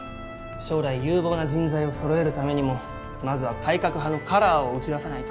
将来有望な人材を揃えるためにもまずは改革派のカラーを打ち出さないと。